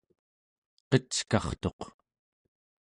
qeckartuq